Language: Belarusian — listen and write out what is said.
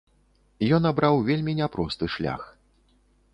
Ён абраў вельмі няпросты шлях.